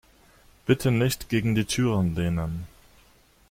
Bitte nicht gegen die Türen lehnen.